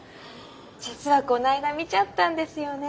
実はこの間見ちゃったんですよね。